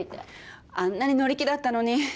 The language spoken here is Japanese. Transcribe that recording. あんなに乗り気だったのに。